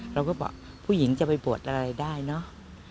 เราก็บอกผู้หญิงจะไปบวชอะไรได้เนอะ